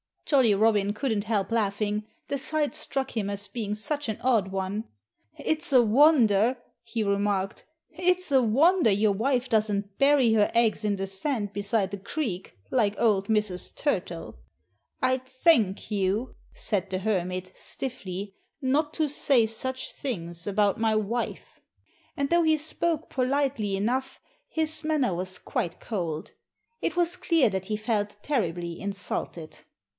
Jolly Robin couldn't help laughing, the sight struck him as being such an odd one. "It's a wonder " he remarked "it's a wonder your wife doesn't bury her eggs in the sand beside the creek, like old Mrs. Turtle." "I'd thank you," said the Hermit, stiffly, "not to say such things about my wife." And though he spoke politely enough, his manner was quite cold. It was clear that he felt terribly insulted.